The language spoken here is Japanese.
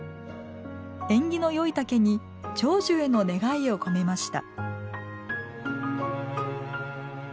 縁起の良い竹に長寿への願いを込めました。